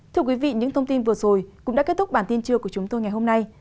thưa quý vị những thông tin vừa rồi cũng đã kết thúc bản tin trưa của chúng tôi ngày hôm nay